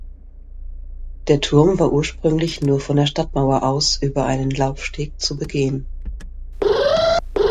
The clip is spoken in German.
Der Turm war ursprünglich nur von der Stadtmauer aus über einen Laufsteg zu begehen.